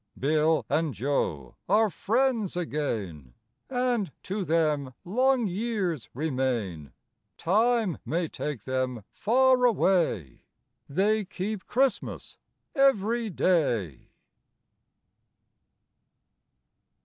Bill and Joe are friends again, And to them long years remain; Time may take them far away, They keep Christmas every day.